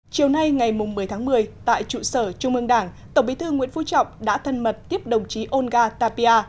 chiều nay ngày một mươi tháng một mươi tại trụ sở trung ương đảng tổng bí thư nguyễn phú trọng đã thân mật tiếp đồng chí olga tapia